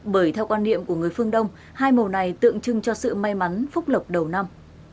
bởi theo quan niệm của người phương đông hai màu này tượng trưng cho sự may mắn phúc lộc đầu năm